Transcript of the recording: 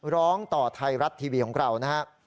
ร้องต่อไทยรัฐทีวีของเรานะครับ